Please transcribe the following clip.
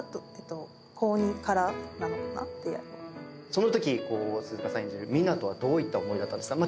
そのとき鈴鹿さん演じる湊斗はどういった思いだったんですか？